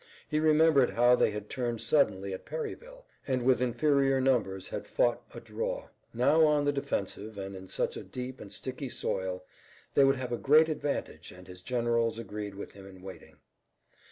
He remembered how they had turned suddenly at Perryville and with inferior numbers had fought a draw. Now on the defensive, and in such a deep and sticky soil, they would have a great advantage and his generals agreed with him in waiting.